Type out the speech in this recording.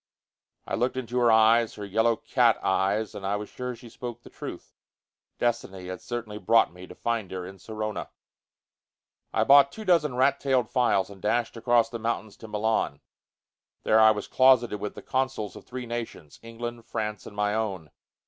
I looked into her eyes, her yellow cat eyes, and I was sure that she spoke the truth. Destiny had certainly brought me to find her in Sorona. I bought two dozen rat tailed files, and dashed across the mountains to Milan. There I was closeted with the consuls of three nations: England, France and my own.